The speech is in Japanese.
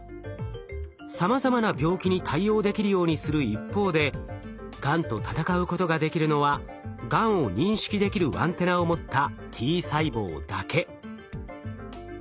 さまざまな病気に対応できるようにする一方でがんと闘うことができるのはがんを認識できるアンテナを持ったＴ細胞だけ。